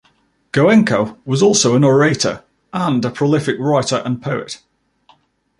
Goenka was also an orator, and a prolific writer and poet.